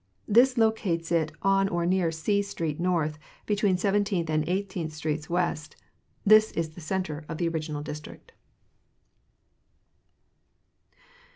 This locates it on or near C street north, between Seventeenth and Highteenth streets west. This is the center of the original District.